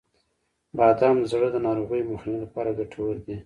• بادام د زړه د ناروغیو د مخنیوي لپاره ګټور دي.